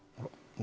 何？